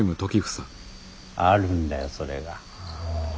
あるんだよそれが。